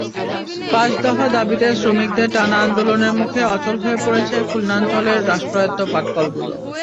পাঁচ দফা দাবিতে শ্রমিকদের টানা আন্দোলনের মুখে অচল হয়ে পড়েছে খুলনাঞ্চলের রাষ্ট্রায়ত্ত পাটকলগুলো।